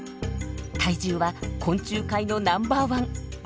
体重は昆虫界のナンバーワン。